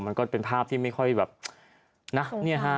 มันก็เป็นภาพที่ไม่ค่อยแบบนะ